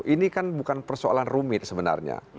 ini kan bukan persoalan rumit sebenarnya